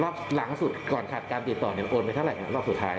หลังสุดก่อนขาดการติดต่อเนี่ยโอนไปเท่าไหร่รอบสุดท้าย